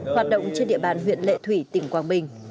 hoạt động trên địa bàn huyện lệ thủy tỉnh quảng bình